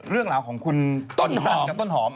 เรื่องราวของคุณต้นหอม